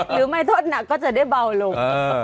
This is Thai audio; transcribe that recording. หรือไม่ทดหนักก็จะได้เบาลง